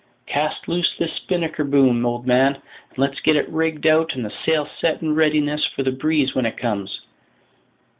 Cast loose this spinnaker boom, old man, and let's get it rigged out and the sail set in readiness for the breeze when it comes.